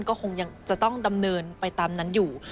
ก็คงยังจะต้องดำเนินไปตามนั้นอยู่